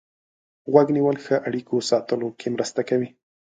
غوږ نیول ښه اړیکو ساتلو کې مرسته کوي.